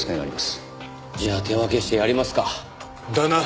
じゃあ手分けしてやりますか。だな。